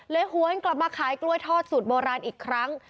หวนกลับมาขายกล้วยทอดสูตรโบราณอีกครั้ง